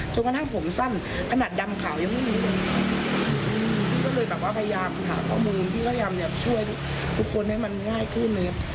จนกว่าถ้าผมสั้นขนาดดำขาวยังไม่มีเลยอืมพี่ก็เลยแบบว่าพยายามหาข้อมูลพี่กำลังอยากช่วยทุกคนให้มันง่ายขึ้นเลย